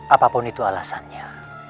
apapun itu alasannya